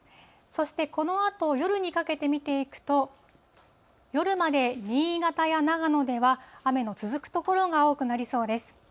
そして、このあと夜にかけて見ていくと、夜まで新潟や長野では、雨の続く所が多くなりそうです。